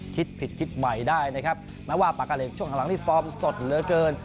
คิดผิดคิดใหม่ได้นะครับแม้ว่าปากกาเหล็กช่วงข้างหลังนี่ฟอร์มสดเหลือเกิน